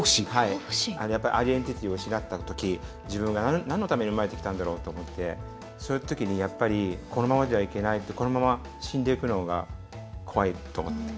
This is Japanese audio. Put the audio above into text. アイデンティティーを失ったとき自分がなんのために生まれてきたんだろうって思ってそういうときにこのままじゃいけないってこのまま、死んでいくのが怖いと思って。